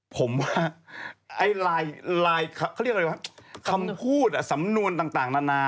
ผมว่าเขาเรียกอะไรวะคำพูดสำนวนต่างนานา